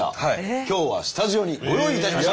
今日はスタジオにご用意いたしました！